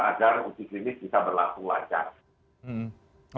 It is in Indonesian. agar uji klinik bisa berlaku lancar